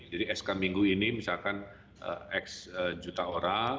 jadi sk minggu ini misalkan x juta orang